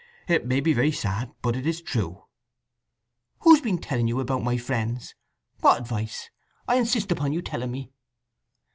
It may be very sad, but it is true." "Who's been telling you about my friends? What advice? I insist upon you telling me."